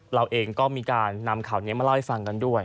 เราเองก็มีการนำข่าวนี้มาเล่าให้ฟังกันด้วย